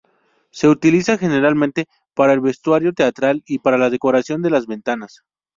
Se utiliza generalmente para el vestuario teatral y para la decoración de las ventanas.